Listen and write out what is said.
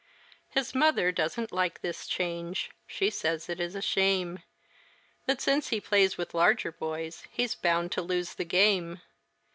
His mother doesn't like this change. She says it is a shame That since he plays with larger boys, he's bound to lose the game.